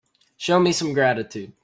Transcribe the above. Show me some gratitude.